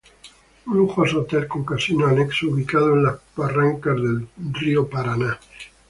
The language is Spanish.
Un lujoso Hotel con casino anexo ubicado en las barrancas del río Paraná.